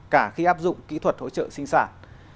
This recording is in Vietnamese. cả khi áp dụng kỹ thuật hỗ trợ sinh sản